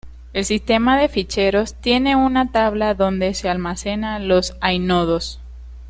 El sistema de ficheros tiene una tabla donde se almacenan los i-nodos.